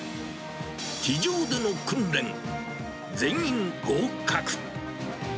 地上での訓練、全員合格。